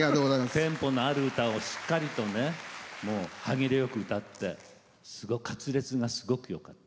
テンポのある歌をしっかりと歯切れよく歌ってすごく滑舌がよかった。